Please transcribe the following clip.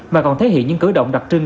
mà còn thể hiện những cử động đặc trưng